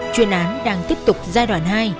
chuyên án đang tiếp tục giai đoạn hai